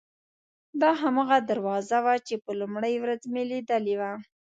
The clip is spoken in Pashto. دا هماغه دروازه وه چې په لومړۍ ورځ مې لیدلې وه.